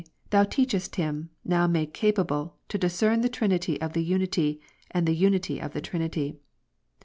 Thou teachest him, now made capable, to discern the Trinity of the Unity, and the Unity of the Trinity''.